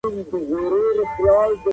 څېړونکی باید په خپلو خبرو کي پوره ډاډ ولري.